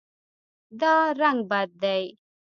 دا رنګ بد دی